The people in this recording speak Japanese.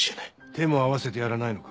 手も合わせてやらないのか？